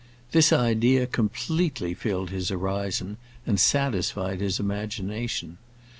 This idea completely filled his horizon and satisfied his imagination.